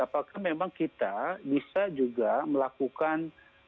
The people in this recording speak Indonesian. apakah memang kita bisa juga melakukan